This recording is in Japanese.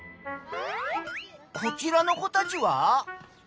こちらの子たちは？